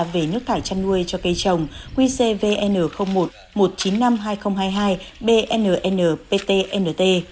về nước thải chăn nuôi cho cây trồng qcvn một một triệu chín trăm năm mươi hai nghìn hai mươi hai bnnptnt